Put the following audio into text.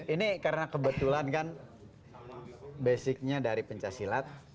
ini karena kebetulan kan basicnya dari pencaksilat